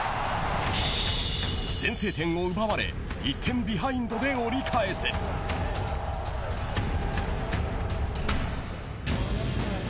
先制点を奪われ１点ビハインドで折り返す。